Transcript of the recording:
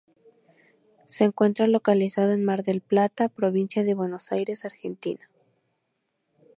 Se encuentra localizado en Mar del Plata, provincia de Buenos Aires, Argentina.